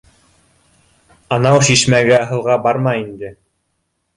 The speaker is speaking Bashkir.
Анау шишмәгә һыуға барма инде